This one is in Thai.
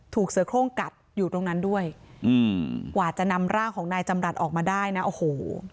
เสือโครงกัดอยู่ตรงนั้นด้วยอืมกว่าจะนำร่างของนายจำรัฐออกมาได้นะโอ้โห